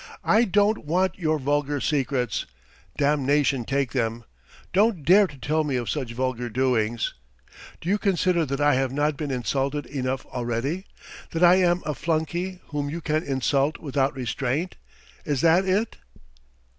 "I don't want your vulgar secrets! Damnation take them! Don't dare to tell me of such vulgar doings! Do you consider that I have not been insulted enough already? That I am a flunkey whom you can insult without restraint? Is that it?"